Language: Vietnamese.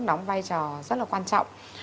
nóng vai trò rất là quan trọng